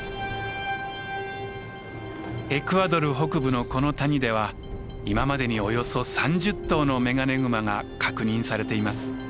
エクアドル北部のこの谷では今までにおよそ３０頭のメガネグマが確認されています。